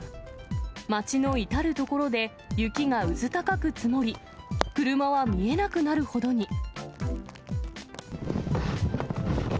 街の至る所で雪がうずたかく積もり、車は見えなくなるほどに。